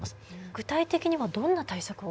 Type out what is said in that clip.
具体的にはどんな対策を？